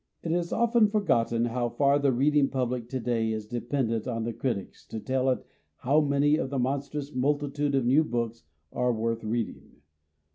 1 1 is often forgotten how far the read ing public to day is dependent on the critics to tell it how many of the monstrous multi tude of new books are worth reading.